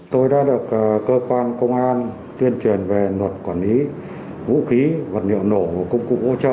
tôi đã được cơ quan công an tuyên truyền về luật quản lý vũ khí vật liệu nổ công cụ hỗ trợ